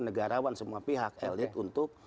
negarawan semua pihak elit untuk